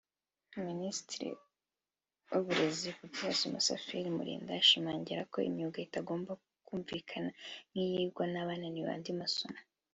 Minisitiri w’uburezi Dr Papias Musafiri Malimba ashimangira ko imyuga itagomba kumvikana nk’iyigwa n’abananiwe andi masomo